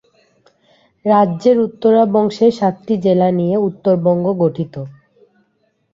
রাজ্যের উত্তরাংশের সাতটি জেলা নিয়ে উত্তরবঙ্গ গঠিত।